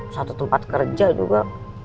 satu tempat kerja juga